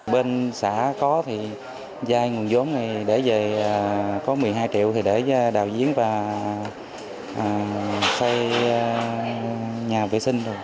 bên xã có thì dài nguồn vốn để về có một mươi hai triệu để cho đạo diễn và xây nhà vệ sinh